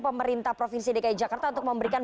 pemerintah provinsi dki jakarta untuk memberikan